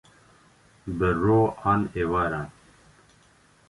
bi ro an êvaran